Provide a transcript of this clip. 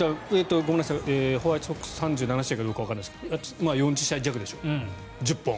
ホワイトソックス３７試合かどうかわかりませんが４０試合弱でしょう、１０本。